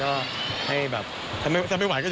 ก็ให้แบบถ้าไม่ไหวก็อย่าไปเล่นอะไรเงี้ย